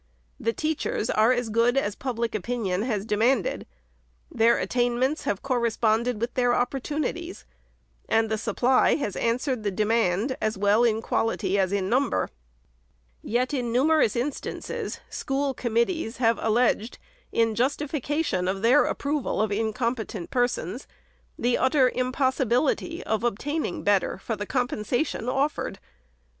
The teachers are as good as public opinion has demanded. Their attainments have corresponded with their opportu nities ; and the supply has answered the demand as well in quality as in number. Yet, in numerous instances, school committees have alleged, in justification of their approval of incompetent persons, the utter impossibility of obtaining better for the compensation offered.